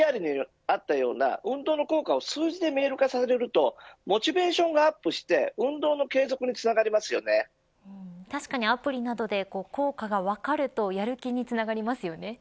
そこでＶＴＲにあったような運動の効果を数字で見える化させるとモチベーションがアップして確かにアプリなどで効果が分かるとやる気につながりますよね。